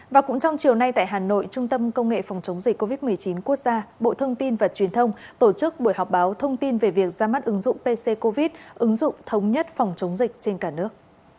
và cũng trong chiều nay tại hà nội trung tâm công nghệ phòng chống dịch covid một mươi chín quốc gia bộ thông tin và truyền thông tổ chức buổi họp báo thông tin về việc ra mắt ứng dụng pc covid ứng dụng thống nhất phòng chống dịch trên cả nước